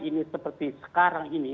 ini seperti sekarang ini